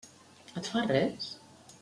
Et fa res?